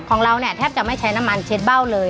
ของเราเนี่ยแทบจะไม่ใช้น้ำมันเช็ดเบ้าเลย